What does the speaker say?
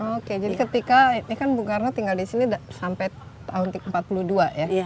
oke jadi ketika ini kan bung karno tinggal disini sampai tahun seribu sembilan ratus empat puluh dua ya